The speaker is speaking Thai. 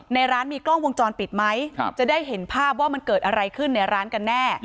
ในร้านมีกล้องวงจรปิดไหมจะได้เห็นภาพว่ามันเกิดอะไรขึ้นในร้านกันแน่